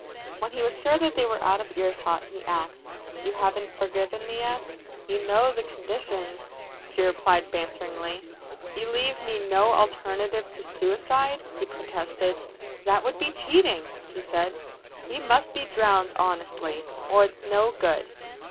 When he was sure that they were out of earshot he asked: "You haven't forgiven me yet?" "You know the conditions," she replied banteringly. "You leave me no alternative to suicide," he protested. "That would be cheating," she said. "You must be drowned honestly, or it's no good."